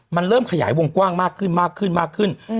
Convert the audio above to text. มันเริ่มขยายวงกว้างมากขึ้นมากขึ้นมากขึ้นมากขึ้น